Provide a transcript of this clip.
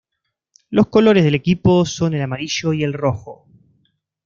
Los colores del equipo son el amarillo y el rojo.